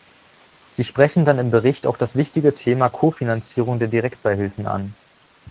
Sie sprechen dann im Bericht auch das wichtige Thema Kofinanzierung der Direktbeihilfen an.